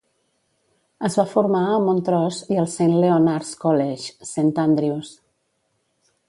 Es va formar a Montrose i al Saint Leonard's College, Saint Andrews.